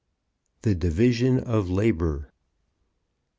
THE DIVISION OF LABOUR.